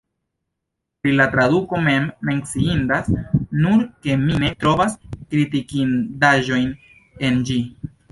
Pri la traduko mem, menciindas nur, ke mi ne trovas kritikindaĵojn en ĝi.